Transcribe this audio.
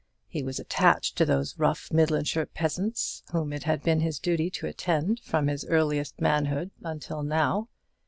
He was attached to those rough Midlandshire peasants, whom it had been his duty to attend from his earliest manhood until now.